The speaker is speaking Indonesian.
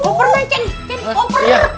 oper lah ceni